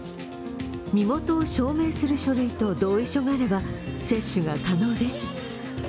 身元を証明する書類と同意書があれば接種が可能です。